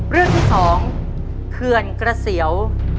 เรื่องที่๒เขื่อนกระเสียว